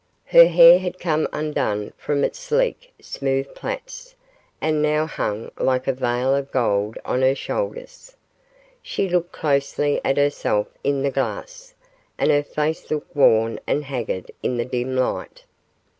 Her hair had come undone from its sleek, smooth plaits, and now hung like a veil of gold on her shoulders. She looked closely at herself in the glass, and her face looked worn and haggard in the dim light.